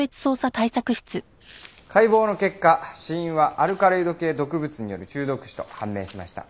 解剖の結果死因はアルカロイド系毒物による中毒死と判明しました。